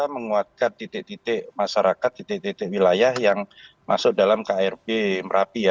menguatkan titik titik masyarakat titik titik wilayah yang masuk dalam krb merapi ya